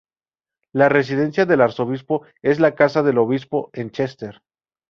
La residencia del arzobispo es la "casa del obispo" en Chester.